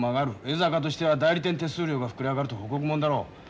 江坂としては代理店手数料が膨れ上がるとホクホクもんだろう。